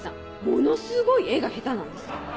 ものすごい絵が下手なんです。